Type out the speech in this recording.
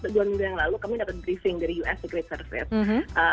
dua minggu yang lalu kami dapat briefing dari us secrete service